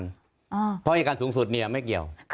เพราะอายการสูงสุดเนี่ยไม่เกี่ยว